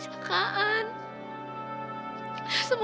kita rumah primero